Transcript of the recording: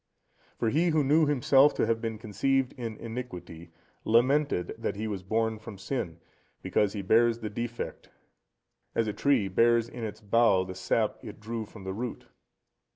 For he who knew himself to have been conceived in iniquity, lamented that he was born from sin, because he bears the defect, as a tree bears in its bough the sap it drew from the root.